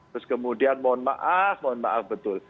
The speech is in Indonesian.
terus kemudian mohon maaf mohon maaf betul